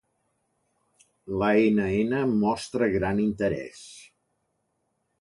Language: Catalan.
L'ANN mostra gran interès.